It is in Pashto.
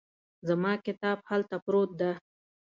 زما کتاب هلته پروت ده